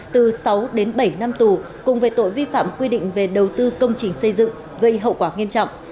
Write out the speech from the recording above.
từ sáu đến bảy năm tù cùng về tội vi phạm quy định về đầu tư công trình xây dựng gây hậu quả nghiêm trọng